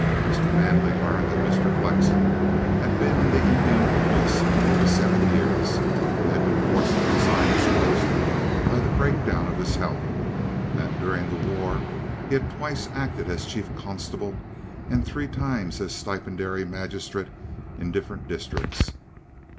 Mr. Manley learned that Mr. Flexen had been in the Indian Police for over seven years, and had been forced to resign his post by the breaking down of his health; that during the war he had twice acted as Chief Constable and three times as stipendiary magistrate in different districts.